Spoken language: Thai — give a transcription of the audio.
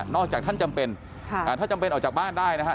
จากท่านจำเป็นถ้าจำเป็นออกจากบ้านได้นะฮะ